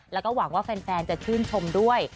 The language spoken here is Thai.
แล้วก็หวังว่าแฟนจะชื่นชมด้วย